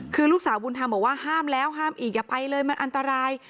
คือลูกสาวบุญธรรมบอกว่าห้ามแล้วห้ามอีกอย่าไปเลยมันอันตราย